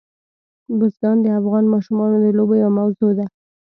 بزګان د افغان ماشومانو د لوبو یوه موضوع ده.